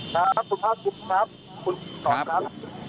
ครับสวัสดีครับคุณผู้ชมครับ